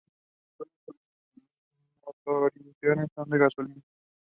I’ve gotten better at adapting.